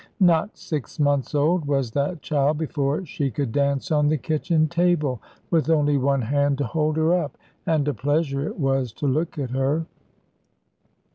Not six months old was that child before she could dance on the kitchen table with only one hand to hold her up, and a pleasure it was to look at her.